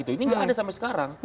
ini nggak ada sampai sekarang